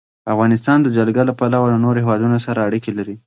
افغانستان د جلګه له پلوه له نورو هېوادونو سره اړیکې لري.